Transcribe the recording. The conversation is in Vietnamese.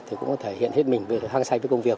thì cũng thể hiện hết mình về hăng say với công việc